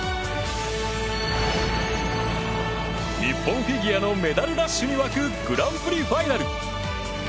日本フィギュアのメダルラッシュに沸くグランプリファイナル。